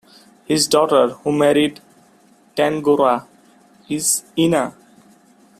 His daughter, who married Tangaroa, is Ina.